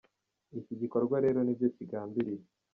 Iki gikorwa rero ni byo kigambiriye.